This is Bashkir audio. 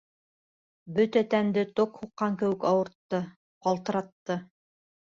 Бөтә тәнде ток һуҡҡан кеүек ауыртты, ҡалтыратты.